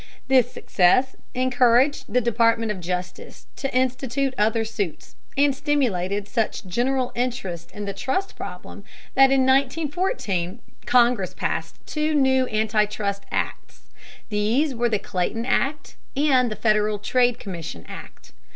This success encouraged the Department of Justice to institute other suits, and stimulated such general interest in the trust problem that in 1914 Congress passed two new Anti trust Acts. These were the Clayton Act and the Federal Trade Commission Act.